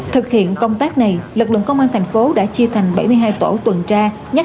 thực hiện công tác này lực lượng công an thành phố đã chia thành bảy mươi hai tổ tuần tra